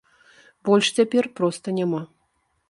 Больш цяпер проста няма.